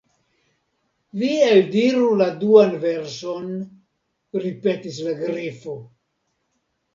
"Vi eldiru la duan verson," ripetis la Grifo.